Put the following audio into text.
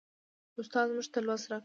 استاد موږ ته لوست راکړ.